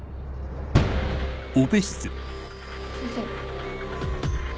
先生。